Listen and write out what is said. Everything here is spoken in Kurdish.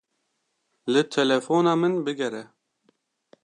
Li telefona min bigere.